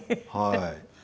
はい。